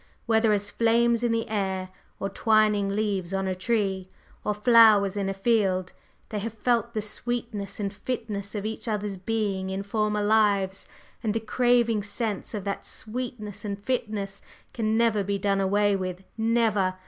Whether as flames in the air, or twining leaves on a tree, or flowers in a field, they have felt the sweetness and fitness of each other's being in former lives, and the craving sense of that sweetness and fitness can never be done away with, never!